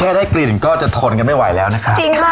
แค่ได้กลิ่นก็จะทนกันไม่ไหวแล้วนะครับ